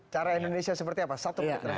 cara indonesia seperti apa